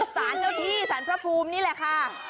สารเจ้าที่สารพระภูมินี่แหละค่ะ